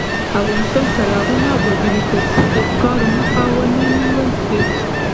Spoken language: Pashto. افغانستان تر هغو نه ابادیږي، ترڅو د ښکار مخه ونیول نشي.